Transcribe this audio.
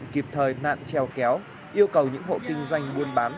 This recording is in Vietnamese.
kịp thời nạn treo kéo yêu cầu những hộ kinh doanh buôn bán